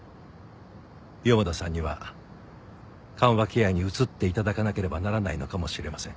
四方田さんには緩和ケアに移って頂かなければならないのかもしれません。